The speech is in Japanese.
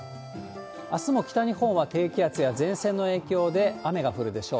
あすも北日本は低気圧や前線の影響で雨が降るでしょう。